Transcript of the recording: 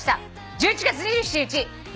「１１月２７日